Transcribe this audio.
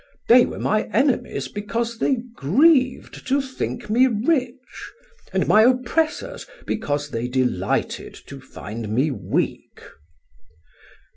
They were my enemies because they grieved to think me rich, and my oppressors because they delighted to find me weak."